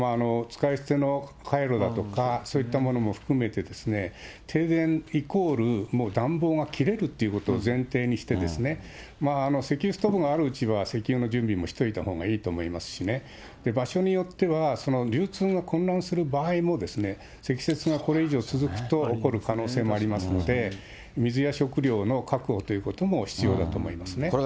使い捨てのかいろだとか、そういったものも含めてですね、停電イコール、もう暖房が切れるということを前提にして、石油ストーブがあるうちは石油の準備をしておいた方がいいと思いますしね、場所によっては、流通が混乱する場合も、積雪がこれ以上続くと起こる可能性もありますので、水や食料の確保ということも必要だと思いますね。